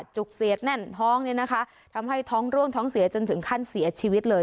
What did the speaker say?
จุกเสียดแน่นท้องเนี่ยนะคะทำให้ท้องร่วงท้องเสียจนถึงขั้นเสียชีวิตเลย